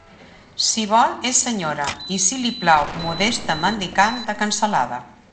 Si vol, és senyora, i si li plau, modesta mendicant de cansalada.